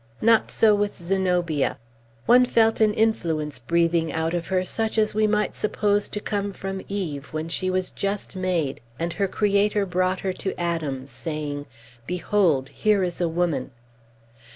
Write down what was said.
Not so with Zenobia. One felt an influence breathing out of her such as we might suppose to come from Eve, when she was just made, and her Creator brought her to Adam, saying, "Behold! here is a woman!"